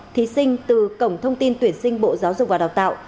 thí sinh từ cổng thông tin tuyển sinh bộ giáo dục và đào tạo